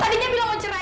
tadinya bilang mencerai